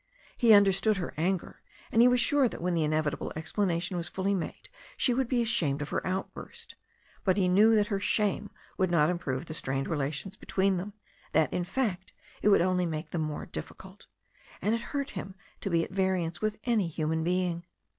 He understood her anger, and he was sure that when the inevitable explanation was fully made she would be ashamed of her outburst. But he knew that her shame would not improve the strained rela tions between them, that, in fact, it would only make thertt more difficult. And it hurt him to be at variance with any human being.